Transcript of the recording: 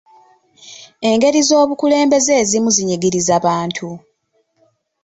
Engeri z'obukulembeze ezimu zinyigiriza bantu.